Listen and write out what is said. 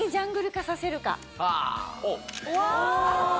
うわ！